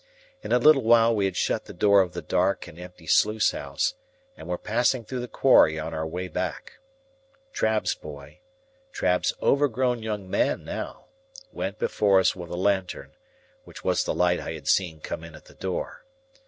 In a little while we had shut the door of the dark and empty sluice house, and were passing through the quarry on our way back. Trabb's boy—Trabb's overgrown young man now—went before us with a lantern, which was the light I had seen come in at the door.